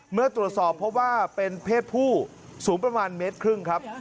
เมื่อตรวจสอบเพราะว่าเป็นเพศผู้สูงประมาณเมตรครึ่งครับ